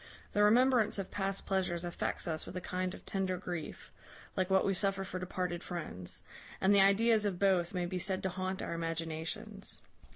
The remembrance of past pleasures affects us with a kind of tender grief, like what we suffer for departed friends; and the ideas of both may be said to haunt our imaginations.